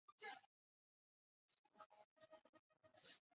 该方法利用的就是这个原理。